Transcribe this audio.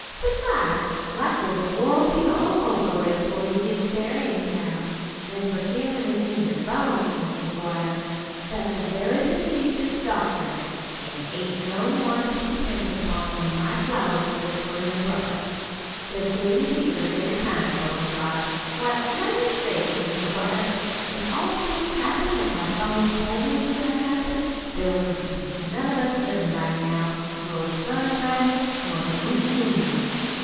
"Besides, likely the war'll be all over with 'fore he gets there, anyhow. An' as for feelin' it in your bones, Mis' McGuire, that's a very facetious doctrine, an' ain't no more to be depended upon than my flour sieve for an umbrella. They're gay receivers every time bones are. Why, lan' sakes, Mis' McGuire, if all things happened that my bones told me was goin' to happen, there wouldn't none of us be livin' by now, nor the sun shinin', nor the moon moonin'.